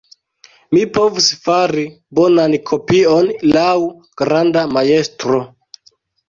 Mi povus fari bonan kopion laŭ granda majstro.